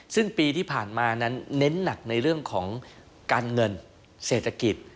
ซึ่งปีที่ผ่านมานั้นเน้นหนักในเรื่องของการเงินเศรษฐกิจ